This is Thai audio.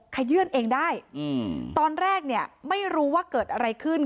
ขยื่นเองได้ตอนแรกเนี่ยไม่รู้ว่าเกิดอะไรขึ้น